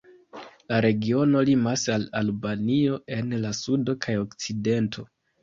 La regiono limas al Albanio en la sudo kaj okcidento.